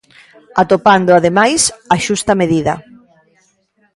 Atopando, ademais, a xusta medida.